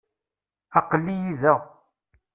Aqel-iyi da.